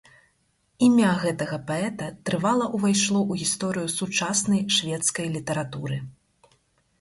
Імя гэтага паэта трывала ўвайшло ў гісторыю сучаснай шведскай літаратуры.